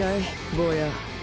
坊や。